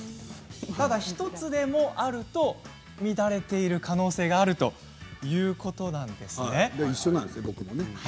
ただ１つでもあると乱れている可能性があるんですね。